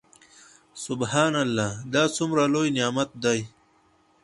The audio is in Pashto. سبحان الله دا څومره لوى نعمت دى.